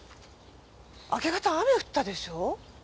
明け方雨降ったでしょ？